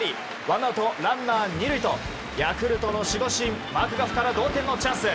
ワンアウトランナー２塁とヤクルトの守護神マクガフから同点のチャンス。